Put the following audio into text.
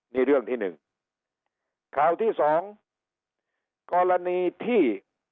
นี่เรื่องที่หนึ่งข่าวที่สองกรณีที่